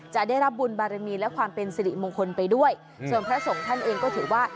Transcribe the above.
จะได้รับบุญบารมีและความเป็นสิริมงคลไปด้วยส่วนพระสงฆ์ท่านเองก็ถือว่า